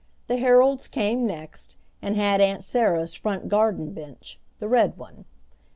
The Herolds came next, and had Aunt Sarah's front garden bench, the red one.